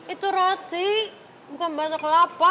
itu roti bukan batok kelapa